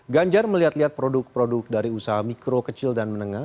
ganjar melihat lihat produk produk dari usaha mikro kecil dan menengah